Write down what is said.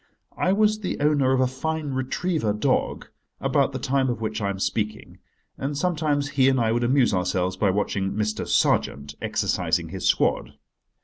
I was the owner of a fine retriever dog about the time of which I am speaking, and sometimes he and I would amuse ourselves by watching Mr. Sergeant exercising his squad.